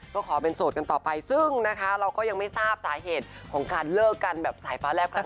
ก็ขอเป็นโสดกันต่อไปซึ่งนะคะเราก็ยังไม่ทราบสาเหตุของการเลิกกันแบบสายฟ้าแลบครั้งนี้